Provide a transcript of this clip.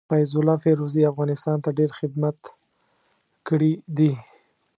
فيض الله فيروزي افغانستان ته ډير خدمت کړي دي.